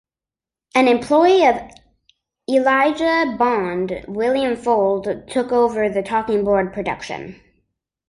An employee of Elijah Bond, William Fuld, took over the talking board production.